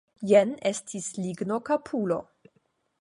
Jen estis lignokapulo.